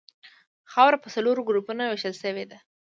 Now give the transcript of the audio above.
خاوره په څلورو ګروپونو ویشل شوې ده